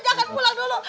jangan pulang dulu